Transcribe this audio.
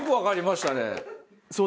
そう。